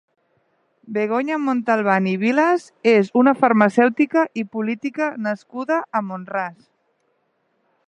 Begonya Montalban i Vilas és una farmacèutica i política nascuda a Mont-ras.